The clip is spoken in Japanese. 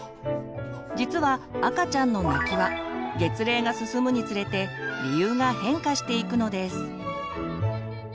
実は赤ちゃんの泣きは月齢が進むにつれて理由が変化していくのです。